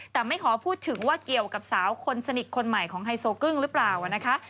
แต่ไม่ขอพูดถึงว่าเกี่ยวกับสาวคนสนิทคนใหม่ของไฮโซกึ้งหรือเปล่านะคะ